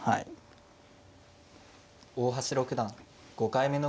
大橋六段５回目の。